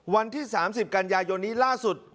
วันที่๓๐กันยายนนี้ล่าสุด